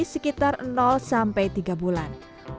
sekitar sampai tiga bulan